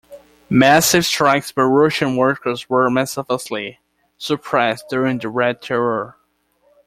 Massive strikes by Russian workers were "mercilessly" suppressed during the Red Terror.